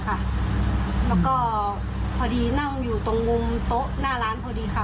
แล้วก็พอดีนั่งอยู่ตรงมุมโต๊ะหน้าร้านพอดีค่ะ